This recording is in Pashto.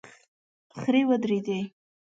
خرې ودرېدې.